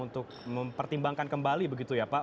untuk mempertimbangkan kembali begitu ya pak